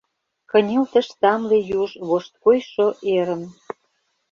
Кынелтыш тамле юж вошткойшо эрым.